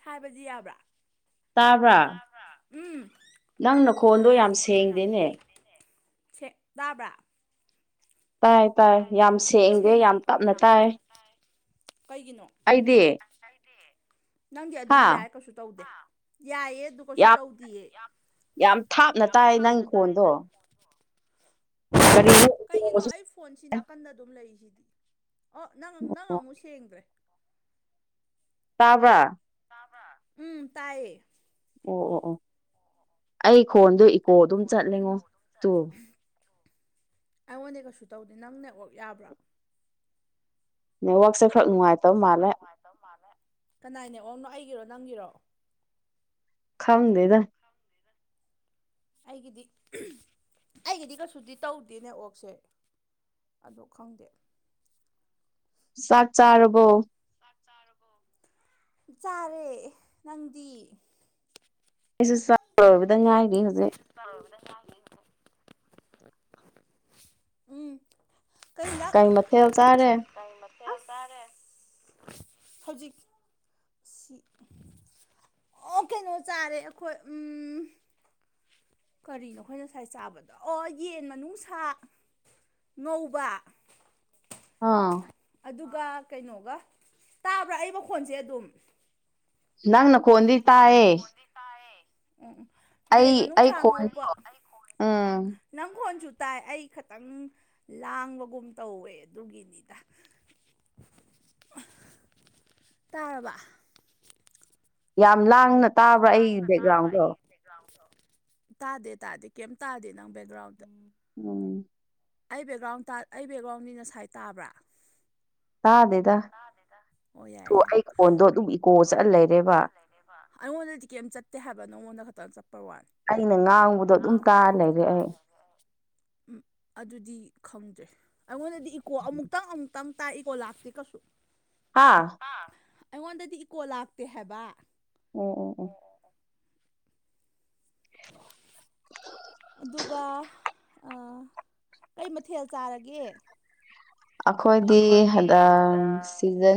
ꯍꯥꯏꯕꯗꯤ ꯌꯥꯕ꯭ꯔꯥ ꯇꯥꯕꯔꯥ ꯅꯪ ꯅꯈꯣꯟꯗꯣ ꯌꯥꯝ ꯁꯦꯡꯗꯦꯅꯦ ꯇꯥꯏ ꯇꯥꯏ ꯌꯥꯝ ꯁꯦꯡꯗꯦ ꯌꯥꯝ ꯇꯞꯅ ꯇꯥꯏ ꯑꯩꯗꯤ ꯅꯪꯗꯤ ꯑꯗꯨꯝ ꯌꯥꯏ ꯀꯩꯁꯨ ꯇꯧꯗꯦ ꯌꯥꯏꯌꯦ ꯑꯗꯨꯒ ꯀꯩꯁꯨ ꯇꯧꯗꯌꯦ ꯌꯥꯝ ꯌꯥꯝ ꯊꯥꯞꯅ ꯇꯥꯏ ꯉꯪꯗꯣ ꯀꯩꯒꯤꯅꯣ ꯑꯩ ꯐꯣꯟꯁꯤ ꯅꯥꯀꯟꯗ ꯑꯗꯨꯝ ꯂꯩꯔꯤꯁꯤꯗꯤ ꯑꯣ ꯅꯪ ꯅꯪ ꯑꯃꯨꯛ ꯁꯦꯡꯗ꯭ꯔꯦ ꯇꯥꯕꯔꯥ ꯎꯝ ꯇꯥꯏꯌꯦ ꯑꯣ ꯑꯣ ꯑꯣ ꯑꯩ ꯈꯣꯟꯗꯣ ꯏꯀꯣ ꯑꯗꯨꯝ ꯆꯠꯂꯉꯣ ꯇꯨ ꯑꯩꯉꯣꯟꯗꯤ ꯀꯩꯁꯨ ꯇꯧꯗꯦ ꯅꯪ ꯅꯦꯠꯋꯥꯛ ꯌꯥꯕ꯭ꯔꯥ ꯌꯦꯡꯉꯣ ꯅꯦꯠꯋꯥꯛꯁꯦ ꯈꯔ ꯅꯨꯡꯉꯥꯏꯇꯕ ꯃꯥꯜꯂꯦ ꯀꯅꯥꯏ ꯅꯦꯠꯋꯥꯛꯅꯣ ꯑꯩꯒꯤꯔꯣ ꯅꯪꯒꯤꯔꯣ ꯈꯪꯗꯦꯗ ꯑꯩꯒꯤꯗꯤ ꯑꯩꯒꯤꯗꯤ ꯀꯩꯁꯨꯗꯤ ꯇꯧꯗꯦꯅꯦ ꯅꯦꯠꯋꯥꯛꯁꯦ ꯑꯗꯨ ꯈꯪꯗꯦ ꯆꯥꯛ ꯆꯥꯔꯕꯣ ꯆꯥꯔꯦ ꯅꯪꯗꯤ ꯑꯩꯁꯦ ꯆꯕꯗ ꯉꯥꯏꯔꯤ ꯍꯧꯖꯤꯛ ꯎꯝ ꯀꯩ ꯃꯊꯦꯜ ꯆꯥꯔꯦ ꯆꯥꯔꯦ ꯍꯧꯖꯤꯛ ꯁꯤ ꯑꯣ ꯀꯩꯅꯣ ꯆꯥꯔꯦ ꯑꯩꯈꯣꯏ ꯎꯝꯝ ꯀꯔꯤꯅꯣ ꯑꯩꯈꯣꯏ ꯉꯁꯥꯏ ꯆꯥꯕꯗꯣ ꯑꯣ ꯌꯦꯟ ꯃꯅꯨꯡꯁꯥ ꯉꯧꯕꯥ ꯑꯥ ꯑꯗꯨꯒ ꯀꯩꯅꯣꯒ ꯇꯥꯕ꯭ꯔꯥ ꯑꯩ ꯃꯈꯣꯟꯁꯦ ꯑꯗꯨꯝ ꯅꯪ ꯅꯈꯣꯟꯗꯤ ꯇꯥꯏꯌꯦ ꯑꯩ ꯑꯩ ꯈꯣꯟꯗꯣ ꯎꯝ ꯇꯥꯏ ꯑꯩ ꯈꯇꯪ ꯂꯥꯡꯕꯒꯨꯝ ꯇꯧꯋꯦ ꯑꯗꯨꯒꯤꯅꯤꯗ ꯇꯥꯔꯕ ꯌꯥꯝ ꯂꯥꯡꯅ ꯇꯥꯕ꯭ꯔꯥ ꯑꯩ ꯕꯦꯛꯒ꯭ꯔꯥꯎꯟꯗꯣ ꯇꯥꯗꯦ ꯇꯥꯗꯦ ꯀꯩꯝ ꯇꯥꯗꯦ ꯅꯪ ꯕꯦꯛꯒ꯭ꯔꯥꯎꯟ [unintelligible] ꯑꯩ ꯕꯦꯛꯒ꯭ꯔꯥꯎꯟ ꯇꯥ ꯑꯩ ꯕꯦꯛꯒ꯭ꯔꯥꯎꯟꯗꯤ ꯉꯁꯥꯏ ꯇꯥꯕ꯭ꯔꯥ ꯇꯥꯗꯦꯗ ꯑ ꯑꯩ ꯈꯣꯟꯗꯣ ꯑꯗꯨꯝ ꯏꯀꯣ ꯆꯠ ꯂꯩꯔꯦꯕ ꯑꯩꯅ ꯉꯥꯡꯕꯗꯣ ꯑꯗꯨꯝ ꯇꯥꯔ ꯂꯩꯔꯦ ꯑꯩ ꯎꯝ ꯑꯗꯨꯗꯤ ꯈꯪꯗ꯭ꯔꯦ ꯑꯩꯉꯣꯟꯗꯗꯤ ꯏꯀꯣ ꯑꯃꯨꯛꯇꯪ ꯑꯃ ꯇꯪ ꯇꯥꯛꯏꯀꯣ ꯂꯥꯛꯇꯦ ꯀ ꯍꯥꯥ ꯑꯩꯉꯣꯟꯗꯗꯤ ꯏꯀꯣ ꯂꯥꯛꯇꯦ ꯍꯥꯏꯕ ꯎ ꯎ ꯎꯝ [inaudible] ꯑꯗꯨꯒ ꯀꯩ ꯃꯊꯦꯜ ꯆꯥꯔꯒꯦ ꯑꯩꯈꯣꯏꯗꯤ ꯍꯗ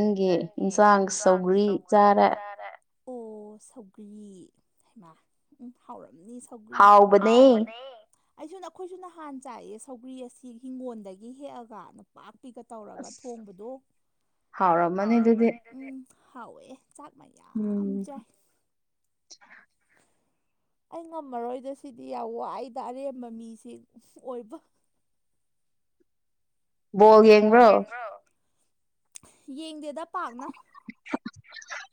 ꯁꯤꯖꯟꯒꯤ ꯌꯦꯟꯁꯥꯡ ꯆꯧꯒ꯭ꯔꯤ ꯆꯥꯔꯦ ꯑꯣ ꯁꯧꯒ꯭ꯔꯤ ꯍꯩꯃꯥ ꯎꯝ ꯍꯥꯎꯔꯒ ꯁꯧꯒꯔꯤꯥ ꯍꯥꯎꯕꯅꯦ ꯑꯩꯁꯨ ꯅꯈꯣꯏꯁꯨ ꯅꯍꯥꯟ ꯆꯥꯏꯌꯦ ꯁꯧꯒ꯭ꯔꯤ ꯑꯁꯤ ꯍꯤꯡꯒꯣꯜꯗꯒꯤ ꯍꯦꯛꯑꯒ ꯅꯨꯄꯥꯛ ꯄꯄꯤꯒ ꯇꯧꯔꯒ ꯊꯣꯡꯕꯗꯣꯃ ꯍꯥꯎꯋꯦ ꯆꯥꯛ ꯃ ꯌꯥꯝ ꯆꯥꯏ ꯑꯩ ꯉꯝꯃꯔꯣꯏꯗ ꯁꯤꯗꯤ ꯌꯥꯝ ꯋꯥꯏꯗ ꯑꯔꯦꯝꯕ ꯃꯤꯁꯤ ꯑꯣꯏꯕ [inaudible] ꯕꯣ ꯌꯦꯡꯕ꯭ꯔꯣ ꯌꯦꯡꯗꯦꯗ ꯄꯥꯛꯅ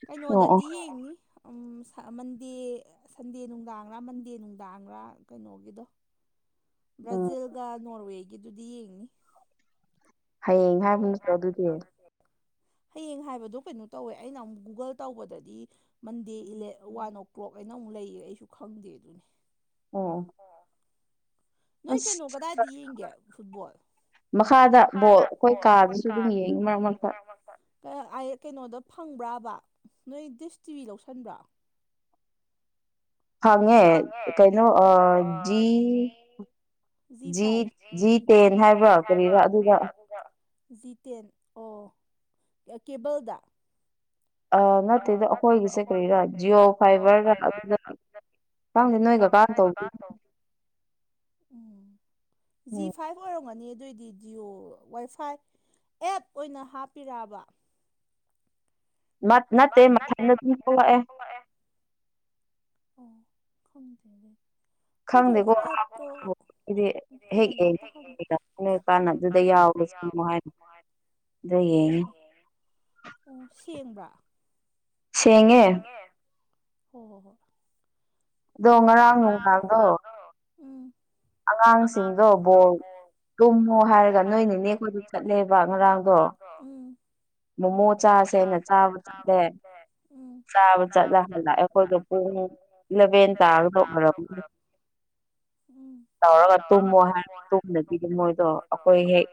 ꯀꯩꯅꯣꯗꯗꯤ ꯌꯦꯡꯉ ꯎ ꯃꯟꯗꯦ ꯁꯟꯗꯦ ꯅꯨꯡꯗꯥꯡꯒꯔꯥ ꯃꯟꯗꯦ ꯅꯨꯡꯗꯥꯡꯒꯔꯥ ꯀꯩꯅꯣꯒꯤꯗꯣ [inaudible] ꯕ꯭ꯔꯥꯖꯤꯜꯒ ꯅꯣꯔꯋꯦꯒꯤꯗꯨꯗꯤ ꯌꯦꯡꯉꯤ ꯍꯌꯦꯡ ꯍꯥꯏꯕꯅ ꯇꯧꯗꯗꯤ ꯍꯌꯦꯡ ꯍꯥꯏꯕꯗꯣ ꯀꯩꯅꯣ ꯇꯧꯋꯦ ꯑꯩꯅ ꯑꯃꯨꯛ ꯒꯨꯒꯜ ꯇꯧꯕꯗꯗꯤ ꯃꯟꯗꯦ ꯋꯥꯟ ꯑꯣ ꯀ꯭ꯂꯣꯛ ꯑꯩꯅ ꯑꯃꯨꯛ ꯂꯩꯌꯦ ꯑꯩꯁꯨ ꯈꯪꯗꯦ ꯑꯗꯨꯅꯤ ꯑꯣ ꯅꯣꯏ ꯀꯩꯅꯣ ꯀꯗꯥꯏꯗꯤ ꯌꯦꯡꯒꯦ ꯐꯨꯠꯕꯣꯜ ꯃꯈꯥꯗ ꯕꯣ ꯑꯩꯈꯣꯏ ꯀꯥꯗꯨꯁꯨ ꯑꯗꯨꯝ ꯌꯦꯡꯉꯤ ꯃꯔꯛ ꯃꯔꯛꯇ ꯀꯩꯅꯣꯗꯣ ꯐꯪꯕ꯭ꯔꯥꯕ ꯅꯣꯏ ꯗꯤꯁ ꯇꯤꯚꯤ ꯂꯧꯁꯤꯟꯕ꯭ꯔꯥ [inaudible] ꯍꯪꯉꯦ ꯀꯩꯅꯣ ꯑꯖꯤ ꯖꯤ ꯇꯦꯟ ꯍꯥꯏꯕ꯭ꯔꯥ ꯀꯔꯤꯔꯥ ꯑꯗꯨꯗ ꯖꯤ ꯇꯦꯟ ꯑꯣ ꯀꯦꯕꯜꯗ ꯑ ꯅꯠꯇꯦꯗ ꯑꯩꯈꯣꯏꯒꯤꯁꯦ ꯀꯔꯤꯔꯥ ꯖꯤꯑꯣ ꯐꯥꯏꯕꯔꯒ ꯑꯗꯨ ꯄꯪꯁꯦ ꯅꯣꯏ ꯀꯀꯥ ꯇꯧ ꯎꯝ ꯖꯤ ꯐꯥꯏꯚ ꯑꯣꯏꯔꯝꯒꯅꯤ ꯑꯗꯨꯑꯣꯏꯗꯤ ꯖꯤꯑꯣ ꯋꯥꯏꯐꯥꯏ ꯑꯦꯞ ꯑꯣꯏꯅ ꯍꯥꯞꯄꯤꯔꯕ ꯅꯠꯇꯦ ꯃꯊꯗ ꯑꯗꯨꯝ ꯊꯣꯛꯂꯛꯑꯦ ꯈꯣꯣꯡꯗꯦ ꯈꯪꯗꯦꯀꯣꯗꯤ ꯍꯦꯛ ꯌꯦꯡ ꯅ ꯀꯥꯟꯗ ꯑꯗꯨꯗ ꯌꯥꯎ ꯗꯌꯦ ꯑꯣ ꯁꯦꯡꯕ꯭ꯔꯥ ꯁꯦꯡꯉꯦ ꯍ ꯍꯣ ꯍꯣ ꯀꯣꯏꯁꯨꯨꯔꯅ꯭ꯔ ꯑꯉꯥꯡꯁꯤꯡꯗꯣ ꯕꯣꯜ ꯇꯨꯝꯃꯣ ꯍꯥꯏꯔꯒ ꯅꯣꯏꯅꯤꯅꯦ ꯑꯩꯈꯣꯏꯗ ꯆꯠꯂꯦꯕ ꯉꯔꯥꯡꯗꯣ ꯃꯣꯃꯣ ꯆꯥꯁꯦꯅ ꯆꯥꯕ ꯆꯠꯂꯦ ꯆꯥꯕ ꯆꯠꯂ ꯍꯜꯂꯛꯑꯦ ꯑꯩꯈꯣꯏꯗꯣ ꯄꯨꯡ ꯏꯂꯚꯦꯟ ꯇꯥꯔ ꯂ ꯑꯣꯏꯔꯝꯒꯦ ꯇꯧꯔꯒ ꯇꯨꯝꯃꯣ ꯍꯥꯏ ꯇꯨꯝꯗꯕꯤꯗꯤ ꯃꯣꯏꯗꯣ ꯑꯩꯈꯣꯏ ꯍꯦꯛ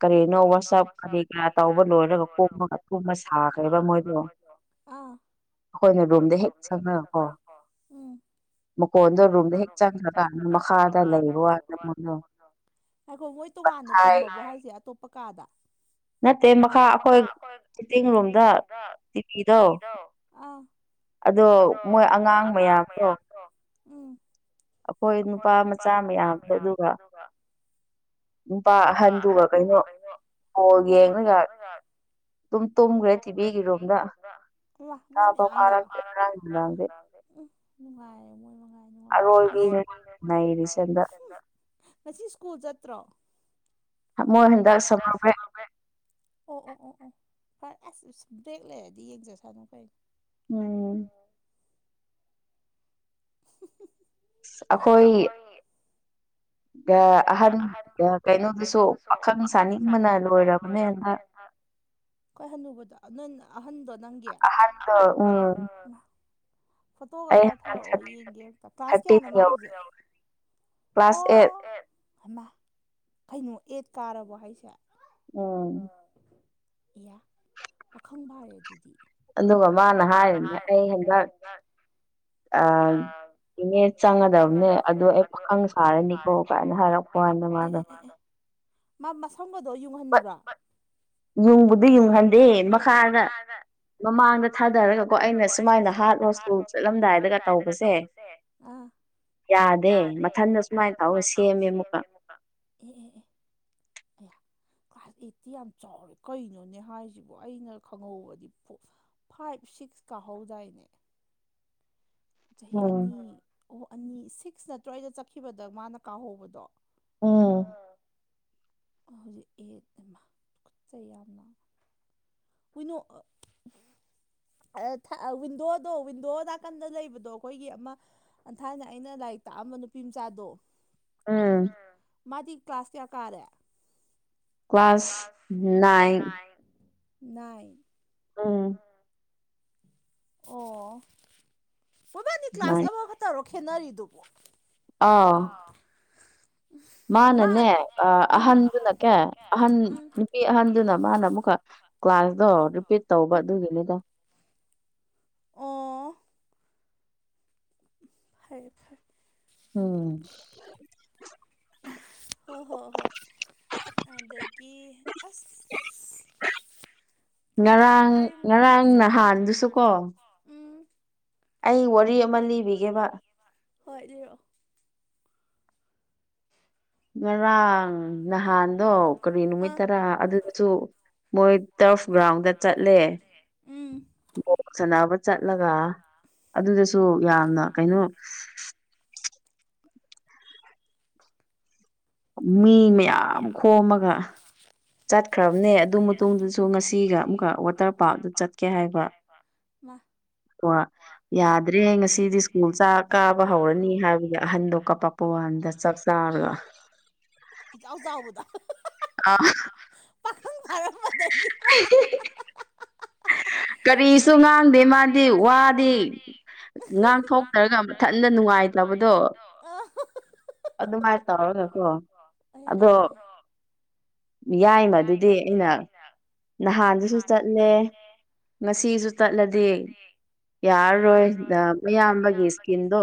ꯀꯔꯤ ꯅꯧ ꯋꯥꯔꯁꯞ ꯀꯔꯤ ꯀ ꯇꯧꯕ ꯂꯣꯏꯔꯒꯒ ꯁꯥꯈ꯭ꯔꯦꯕ ꯃꯣꯏꯗꯣ ꯎ ꯑꯩꯈꯣꯏꯅ ꯔꯨꯝꯗ ꯍꯦꯛ ꯆꯪꯉꯀꯣ ꯃꯀꯣꯟꯗꯣ ꯔꯨꯝꯗ ꯍꯦꯛ ꯆꯪꯉ꯭ꯔꯀꯥꯟꯗ ꯃꯈꯥꯗ ꯂꯩꯕ ꯋꯥꯠ ꯅ ꯃꯉꯣꯟꯗ ꯍꯥꯏꯈꯣ ꯃꯣꯏ ꯇꯣꯉꯥꯟꯅ ꯇꯨꯝꯃꯒꯦ ꯍꯥꯏꯁꯦ ꯑꯇꯣꯞꯄ ꯀꯥꯗ ꯅꯠꯇꯦ ꯃꯈꯥ ꯑꯩꯈꯣꯏ ꯂꯤꯤꯡ ꯔꯣꯝꯗ ꯇꯤꯚꯗꯣ ꯑꯗꯣ ꯃꯣꯏ ꯑꯉꯥꯡ ꯃꯌꯥꯝꯗꯣ ꯎꯝ ꯑꯩꯈꯣꯏ ꯅꯨꯄꯥ ꯃꯆꯥ ꯃꯌꯥꯝꯗꯣ ꯑꯗꯨꯒ ꯅꯨꯨꯄꯥ ꯑꯍꯟꯗꯨꯒ ꯀꯩꯅꯣ ꯀꯣꯜ ꯌꯦꯡꯉꯒ ꯇꯣꯡ꯭ꯔꯦꯗꯤꯤꯗꯤꯒ꯭ꯔꯣ ꯅꯨꯡꯉꯥꯏ ꯃꯣꯏ ꯅꯨꯡꯉꯥꯏ ꯉꯁꯤ ꯁ꯭ꯀꯨꯜ ꯆꯠꯇ꯭ꯔꯣ ꯃꯣꯏ ꯍꯦꯟꯗ ꯆꯂꯒꯦ ꯎ ꯎ ꯎ ꯎꯝ ꯐꯔ ꯑꯁ ꯕ꯭ꯔꯦꯛ ꯂꯩꯔꯗꯤ ꯌꯦꯡꯖꯁꯥꯅꯨ ꯀꯩꯅꯣ ꯎꯝ [inaudible] ꯑꯩꯈꯣꯏ ꯑꯍꯟ ꯀꯩꯅꯣꯗꯨꯁꯨ ꯄꯥꯈꯪ ꯁꯥꯅꯤꯡꯕꯅ ꯂꯣꯏꯔꯕꯅꯦ ꯍꯟꯗ ꯀꯣꯏ ꯍꯟꯅꯨꯕꯗꯣ ꯅꯣꯏ ꯑꯍꯟꯗꯣ ꯅꯪꯒꯤ ꯐꯣꯇꯣꯒ ꯈꯔ ꯊꯥꯔꯛꯑꯣ ꯌꯦꯡꯒꯦꯛꯇ ꯀ꯭ꯂꯥꯁ ꯀꯌꯥꯅꯣ ꯃꯥ ꯍꯧꯖꯤꯛ ꯑꯣ ꯃꯃ ꯀꯩꯅꯣ ꯑꯦꯠ ꯀꯥꯔꯕꯣ ꯍꯥꯏꯁꯦ ꯎꯝ ꯏꯌꯥ ꯄꯈꯪꯕꯔꯦ ꯑꯗꯨꯗꯤ ꯑꯗꯨꯒ ꯃꯥꯅ ꯍꯥꯏꯔꯤꯅꯦ ꯑꯩ ꯍꯟꯗꯛ ꯑ ꯏꯅꯦ ꯆꯪꯒꯗꯕꯅꯦ ꯑꯗꯣ ꯑꯩ ꯄꯥꯈꯪ ꯁꯥꯔꯅꯤꯀꯣꯥꯏ ꯍꯔꯄꯗ ꯃꯥꯔ ꯃꯁꯪꯒꯗꯣ ꯌꯨꯡꯍꯟꯕ꯭ꯔꯥ ꯌꯨꯡꯕꯨꯗꯤ ꯌꯨꯡꯍꯟꯗꯦ ꯃꯈꯥꯗ ꯃꯃꯥꯡꯗ ꯊꯥꯗꯔꯒꯀꯣ ꯑꯩꯅ ꯁꯨꯃꯥꯏꯅ ꯍꯥꯔꯠ ꯍꯣꯁꯀꯨꯜ ꯆꯠꯂꯝꯗꯥꯏꯗꯒ ꯇꯧꯕꯁꯦ ꯌꯥꯗꯦ ꯃꯊꯟꯗ ꯁꯨꯃꯥꯏꯅ ꯇꯧꯁꯤ ꯇ ꯁꯦꯝꯃꯦ ꯑꯃꯨꯛꯀ ꯎꯝ ꯀ꯭ꯂꯥꯁ ꯑꯩꯠꯇꯤ ꯌꯥꯝ ꯆꯥꯎꯔꯦ ꯀꯩꯅꯣꯅꯦ ꯍꯥꯏꯁꯤꯕꯨ ꯑꯩꯅ ꯈꯪꯍꯧꯕꯗꯤ ꯐꯥꯏꯚ ꯁꯤꯛꯁ ꯀꯥꯍꯧꯗꯥꯏꯅꯦ ꯆꯍꯤ ꯑꯅꯤ ꯑꯣ ꯑꯅꯤ ꯁꯤꯛꯁ ꯅꯠꯇ꯭ꯔꯋꯥꯏꯗ ꯆꯠꯈꯤꯕꯗ ꯃꯥꯅ ꯀꯥꯎꯍꯧꯕꯗꯣl ꯑꯣ ꯍꯧꯖꯤꯛ ꯑꯦ ꯈꯨꯠꯁ ꯌꯥꯝꯅ ꯀꯅꯣ ꯋꯤꯟꯗꯣꯗꯣ ꯋꯤꯟꯗꯣ ꯅꯥꯀꯟꯗ ꯂꯩꯕꯗꯣ ꯑꯩꯈꯣꯏꯒꯤ ꯑꯃ ꯊꯥꯏꯅ ꯑꯩꯅ ꯂ ꯥꯏ ꯇꯥꯛꯑꯝꯕ ꯅꯨꯄꯤ ꯃꯆꯥꯗꯣ ꯑꯝ ꯃꯥꯗꯤ ꯀ꯭ꯂꯥꯁ ꯀꯌꯥ ꯀꯥꯔꯦ ꯀ꯭ꯂ ꯀ꯭ꯂꯥꯁ ꯅꯥꯏꯟ ꯅꯥꯏ ꯑꯥ ꯑꯣ ꯃꯣꯏꯕꯥꯅꯤ ꯀ꯭ꯂꯥꯁ ꯑꯃꯈꯛꯇꯔꯣ ꯈꯦꯠꯅꯔꯤꯗꯨꯕꯨꯣ ꯑꯥ ꯃꯥꯅꯅꯦ ꯑꯍꯟꯗꯨꯅ ꯀꯦ ꯑꯍꯟ ꯅꯨꯄꯤ ꯑꯍꯟꯗꯨꯅ ꯃꯥꯅ ꯑꯃꯨꯛꯀ ꯀ꯭ꯂꯥꯁꯇꯣ ꯔꯤꯄꯤꯠ ꯇꯧꯕ ꯑꯗꯨꯒꯤꯅꯤꯗ ꯐꯔꯦ ꯐꯔꯦ ꯎꯝ ꯍꯣꯏ ꯍꯣꯏ ꯍꯣꯏ ꯑꯗꯒꯤꯗꯒꯤ ꯑꯁ ꯉꯔꯥꯡ ꯉꯔꯥꯡ ꯅꯍꯥꯟꯗꯨꯁꯨꯀꯣ ꯑꯩ ꯋꯥꯔꯤ ꯑꯃ ꯂꯤꯕꯤꯒꯦꯕ ꯍꯣꯏ ꯂꯩꯔꯛꯑꯣ ꯉꯔꯥꯡ ꯅꯍꯥꯟꯗꯣ ꯀꯔꯤ ꯅꯨꯃꯤꯠ ꯇꯔꯥ ꯑꯗꯨꯁꯨ ꯃꯣꯏ ꯇꯔꯐ ꯒ꯭ꯔꯥꯎꯟꯗ ꯆꯠꯂꯦ ꯁꯅꯕ ꯆꯠꯂꯒ ꯑꯗꯨꯗꯁꯨ ꯌꯥꯝꯅ ꯀꯩꯅꯣ ꯃꯤ ꯃꯌꯥꯝ ꯈꯣꯝꯃꯒ ꯆꯠ ꯆꯠꯈ꯭ꯔꯕꯅꯦ ꯑꯗꯨ ꯃꯇꯨꯡꯗꯁꯨ ꯉꯁꯤꯒ ꯑꯃꯨꯛꯀ ꯋꯥꯇꯔ ꯄꯥꯔꯛꯇ ꯆꯠꯀꯦ ꯍꯥꯏꯕ ꯋꯥ ꯑꯣ ꯌꯥꯗ꯭ꯔꯦ ꯉꯁꯤꯗꯤ ꯁ꯭ꯀꯨꯜ ꯆꯥ ꯀꯥꯕ ꯍꯧꯔꯅꯤ ꯍꯥꯏꯕꯗꯤ ꯑꯍꯟꯗꯣ ꯀꯄꯛꯄ ꯋꯥ ꯑꯗ ꯆꯥꯛꯆꯥꯥꯔꯒ ꯏꯆꯥꯎ ꯆꯥꯎꯕꯗ ꯑ ꯄꯥꯈꯪ ꯐꯔꯝꯕꯗ [inaudible] ꯀꯔꯤꯁꯨ ꯉꯥꯡꯗꯦ ꯃꯥꯗꯤ ꯋꯥꯗꯤ ꯉꯥꯡꯊꯣꯛꯇꯔꯒ ꯃꯊꯟꯇ ꯅꯨꯡꯉꯥꯏꯇꯕ ꯠ ꯂꯕꯗꯣ ꯑꯗꯨꯃꯥꯏꯅ ꯇꯧꯔꯒꯀꯣ ꯑ ꯑ ꯌꯥꯏ ꯃꯗꯨꯗꯤ ꯑꯩꯅ ꯅꯍꯥꯟꯗꯨꯁꯨ ꯆꯠꯂꯦ ꯉꯁꯤꯁꯨ ꯇꯠꯂꯗꯤꯦ ꯌꯥꯔꯔꯣꯏ ꯃꯌꯥꯝꯕꯒꯤ ꯏꯁꯀꯤꯟꯗꯣ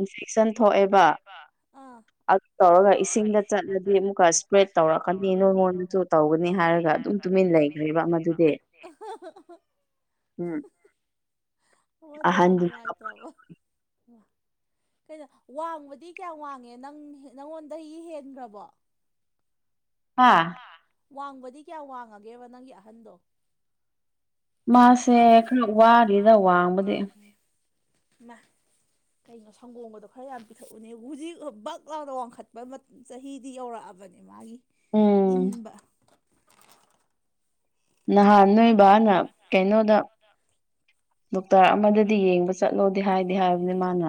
ꯏꯟꯐꯦꯛꯁꯟ ꯊꯣꯛꯑꯦꯕ ꯑꯗꯨ ꯇꯧꯔꯒ ꯏꯁꯤꯡꯗ ꯆꯠꯂꯗꯤ ꯑꯃꯨꯛꯀ ꯏꯁꯄ꯭ꯔꯦꯗ ꯇꯧꯔꯛꯀꯅꯤ ꯅꯣꯡꯉꯣꯟꯗꯁꯨ ꯇꯧꯒꯅꯤ ꯍꯥꯏꯔꯒ ꯑꯗꯨꯝ ꯇꯨꯃꯤꯟ ꯂꯩꯈ꯭ꯔꯦꯕ ꯑꯃꯗꯨꯗꯤ ꯎꯝ ꯍꯗꯦ ꯌꯥꯝ ꯍꯥꯏꯥꯏꯇꯕ ꯀꯩꯅꯣ ꯋꯥꯡꯕꯗꯤ ꯀꯌꯥꯝ ꯋꯥꯡꯉꯦ ꯅꯪ ꯅꯪꯉꯣꯟꯗꯒꯤ ꯍꯦꯟꯈ꯭ꯔꯕꯣ ꯍꯥꯥ ꯋꯥꯡꯕꯗꯤ ꯀꯌꯥ ꯋꯥꯡꯉꯒꯦꯕ ꯅꯪꯒꯤ ꯑꯍꯟꯗꯣ ꯃꯥꯁꯦ ꯈꯔ ꯋꯥꯔꯤꯗ ꯋꯥꯡꯕꯗꯤ [inaudible] ꯀꯩꯅꯣ ꯁꯪꯒꯣꯝꯒꯗꯣ ꯈꯔ ꯌꯥꯝ ꯄꯤꯊꯛꯎꯅꯦ ꯍꯧꯖꯤꯛ ꯕꯛ ꯂꯥꯎꯗ ꯋꯥꯡꯈꯠꯄ ꯆꯍꯤꯗꯤ ꯌꯧꯔꯛꯑ ꯐꯕꯅꯦ ꯃꯥꯒꯤ ꯏꯟꯕ ꯅꯍꯥꯟ ꯅꯣꯏꯕꯥꯅ ꯀꯩꯅꯣꯗ ꯗꯣꯛꯇꯔ ꯑꯃꯗꯗꯤ ꯌꯦꯡꯕ ꯆꯠꯂꯣꯗꯤ ꯍꯥꯏꯗꯤꯦ ꯍꯥꯏꯕꯅꯤ ꯃꯥꯅ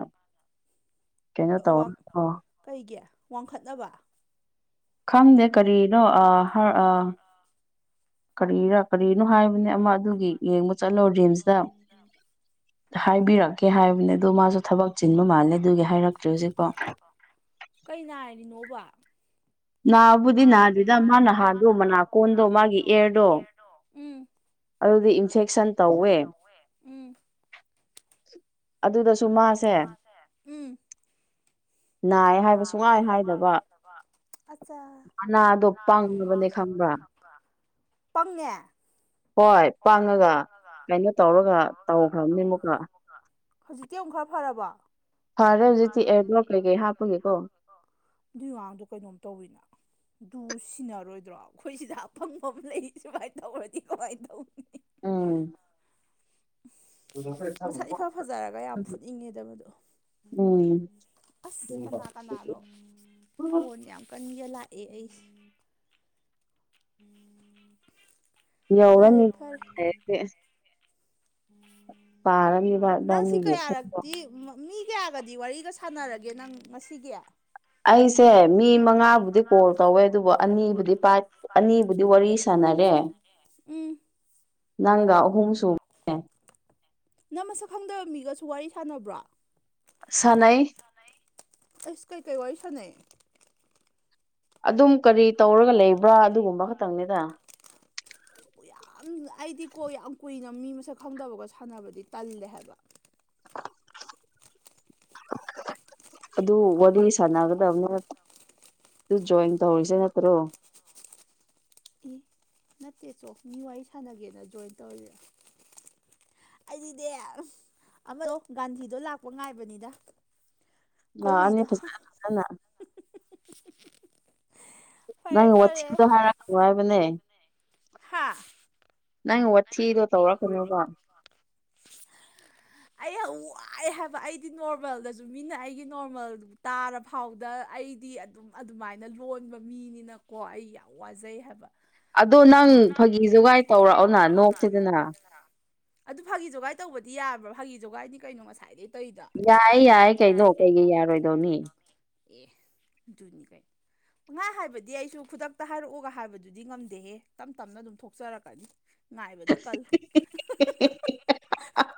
ꯀꯩꯅꯣ ꯇꯧꯧꯕ ꯋꯥꯡꯈꯠꯅꯕ ꯈꯪꯗꯦ ꯀꯔꯤꯅꯣ ꯑ ꯑ ꯀꯔꯤꯔꯥ ꯀꯔꯤꯅꯣ ꯍꯥꯏꯕꯅꯦ ꯑꯃ ꯑꯗꯨꯒꯤ ꯌꯦꯡꯕ ꯆꯠꯂꯣ ꯔꯤꯝꯁꯇ ꯍꯥꯏꯕꯤꯔꯛꯒꯦ ꯀꯦ ꯍꯥꯏꯕꯅꯦ ꯑꯗꯣ ꯃꯥꯁꯨ ꯊꯕꯛ ꯆꯤꯟꯕ ꯃꯥꯜꯂꯦ ꯑꯗꯨꯒꯤ ꯍꯥꯏꯔꯛꯇ꯭ꯔꯦ ꯍꯧꯖꯤꯛꯐꯣ ꯀꯩ ꯅꯥꯏꯔꯤꯅꯣꯕ ꯅꯍꯕꯨꯗꯤ ꯅꯍꯗꯨꯗ ꯃꯥ ꯅꯍꯥꯟꯗꯣ ꯃꯅꯥꯀꯣꯟꯗꯣ ꯃꯥꯒꯤ ꯑꯦꯔꯗꯣ ꯑꯗꯨꯗꯤ ꯏꯟꯐꯦꯛꯁꯟ ꯇꯧꯋꯦ ꯑꯗꯨꯗꯁꯨ ꯃꯥꯁꯦ ꯅꯥꯏ ꯍꯥꯏꯕ ꯁꯨꯡꯉꯥꯏ ꯍꯥꯏꯗꯕ ꯑꯅꯥꯗꯣ ꯄꯥꯡꯕꯅꯦ ꯈꯪꯕ꯭ꯔꯥ ꯑ ꯄꯪꯉꯦ ꯍꯣꯏ ꯄꯥꯡꯉꯒ ꯍꯧꯖꯤꯛꯇꯤ ꯑꯃꯨꯛ ꯈꯔ ꯐꯔꯕꯣ ꯍ ꯔꯖꯤꯇꯤ ꯑꯦꯂ ꯂꯩꯒꯦ ꯍꯥ ꯑꯗꯨꯏ ꯑꯥꯡꯗꯣ ꯀꯩꯅꯣꯝ ꯇꯧꯋꯤꯅ ꯑꯗꯨ ꯁꯤꯟꯅꯔ ꯌꯥꯔꯣꯏꯗ꯭ꯔꯣ ꯑꯩꯈꯣꯏꯁꯤꯗ ꯑꯐꯪꯕ ꯂꯩ ꯁꯨꯃꯥꯏꯅ ꯇꯧꯔꯗꯤ ꯀꯃꯥꯏꯅ ꯇꯧꯅꯤ ꯎꯝ ꯆ ꯎꯝ ꯀꯅꯥ ꯀꯅꯥꯅꯣ ꯐꯣꯟ ꯌꯥꯝ ꯀꯟꯒ ꯂꯥꯛꯑꯦ ꯑꯩꯁꯦ ꯎꯝ ꯌꯧꯔꯅꯤꯁꯦ ꯄꯥꯔꯕꯤ ꯅꯤꯒꯦ ꯀꯌꯥꯒꯗꯤ ꯋꯥꯔꯤꯒ ꯁꯥꯟꯅꯔꯒꯦ ꯅꯪ ꯉꯁꯤꯒꯤ ꯑꯩꯁꯦ ꯃꯤ ꯃꯉꯥꯕꯨꯗꯤ ꯀꯣꯜ ꯇꯧꯋꯦ ꯑꯗꯨꯕꯨ ꯑꯅꯤꯕꯨꯗꯤ ꯑꯅꯤꯕꯨꯗꯤ ꯋꯥꯔꯤ ꯁꯥ ꯎꯝ ꯅꯪꯒ ꯑꯍꯨꯝ ꯁꯨꯕ ꯅꯪ ꯃꯁꯛ ꯈꯪꯗꯕ ꯃꯤꯒꯁꯨ ꯋꯥꯔꯤ ꯁꯥꯟꯅꯕ꯭ꯔꯥ ꯁꯅꯥꯩ ꯀꯩꯀꯩ ꯋꯥꯔꯤꯁꯅ ꯑꯗꯨꯝ ꯀꯔꯤ ꯇꯧꯔꯒ ꯂꯩꯕ꯭ꯔꯥ ꯑꯗꯨꯒꯨꯝꯕ ꯈꯛꯇꯪꯅꯤꯗ ꯌꯥꯝ ꯑꯩꯗꯤ ꯀꯣ ꯌꯥꯝ ꯀꯨꯏꯅ ꯃꯤ ꯃꯁꯛ ꯈꯪꯗꯕꯒ ꯁꯥꯟꯅꯕꯗꯤ ꯇꯜꯂꯦ ꯍꯥꯏꯕ [inaudible] ꯑꯗꯨ ꯋꯥꯔꯤ ꯁꯥꯟꯅꯒꯗꯕꯅꯤ ꯑꯗꯨ ꯖꯣꯏꯟ ꯇꯧꯔꯤꯁꯦ ꯅꯠꯇ꯭ꯔꯣ ꯏ ꯅꯠꯇꯦ ꯁꯣ ꯃꯤ ꯋꯥꯔꯤ ꯁꯥꯟꯅꯒꯦꯅ ꯖꯣꯏꯟ ꯇꯧꯔꯤꯔꯦ ꯑꯩꯗꯤꯗꯤ ꯑꯃꯔꯣ ꯒꯥꯟꯙꯤꯗꯣ ꯂꯥꯛꯄ ꯉꯥꯏꯕꯅꯤꯗ ꯂꯥꯛꯑꯅꯤ ꯐꯖꯅ ꯐꯖꯅ ꯅꯪ ꯋꯥꯗ ꯍ ꯍꯥꯏꯕꯅꯦ ꯅꯪ ꯋꯥꯊꯤꯗꯣ ꯇꯧꯔꯛꯀꯅꯦꯕ ꯑꯩ ꯌꯥꯝ ꯋꯥꯏ ꯍꯥꯏꯕ ꯑꯩꯗꯤ ꯅꯣꯔꯃꯦꯜꯗꯁꯨ ꯃꯤꯅ ꯑꯩꯒꯤ ꯅꯣꯔꯃꯦꯜ ꯇꯥꯔꯐꯥꯎꯗ ꯑꯩꯗꯤ ꯑꯗꯨꯝ ꯑꯗꯨꯃꯥꯏꯅ ꯂꯣꯟꯕ ꯃꯤꯅꯤꯅꯀꯣ ꯑꯩ ꯌꯥꯝ ꯋꯥꯖꯩ ꯍꯥꯏꯕ ꯑꯗꯣ ꯅꯪ ꯐꯥꯒꯤ ꯖꯨꯒꯥꯏ ꯇꯧꯔꯛꯑꯣꯅ ꯅꯣꯛꯇꯤꯗꯅ ꯑꯗꯨ ꯐꯥꯒꯤ ꯖꯣꯒꯥꯏ ꯇꯧꯕꯗꯤ ꯌꯥꯕ꯭ꯔꯥ ꯐꯥꯒꯤ ꯖꯒꯥꯏꯗꯤ ꯀꯩꯅꯣ ꯉꯁꯥꯏꯗꯒꯤꯩ ꯌꯥꯌꯦ ꯌꯥꯏ ꯀꯩꯅꯣ ꯀꯩꯀꯩ ꯌꯥꯔꯣꯏꯗꯧꯅꯤ ꯑꯦꯖꯣꯏꯅꯤꯐ ꯉꯍꯥ ꯍꯥꯏꯕꯗꯤ ꯑꯩꯁꯨ ꯈꯨꯗꯛꯇ ꯍꯥꯏꯔꯛꯑꯒ ꯍꯥꯏꯕꯗꯨꯗꯤ ꯉꯝꯗꯦꯍꯦ ꯇꯞ ꯇꯞꯅ ꯑꯗꯨꯝ ꯊꯣꯛꯆꯔꯛꯀꯅꯤ ꯉꯥꯏꯕꯗ ꯀꯜꯂ